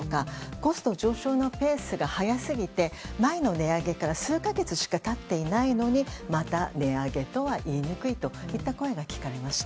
コスト上昇のペースが速すぎて前の値上げから数か月しか経っていないのにまた値上げとは言いにくいといった声が聞かれました。